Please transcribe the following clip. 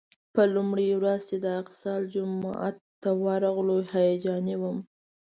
په لومړۍ ورځ چې د الاقصی جومات ته ورغلو هیجاني وم.